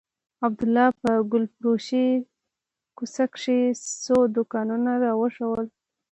عبدالله په ګلفروشۍ کوڅه کښې څو دوکانونه راوښوول.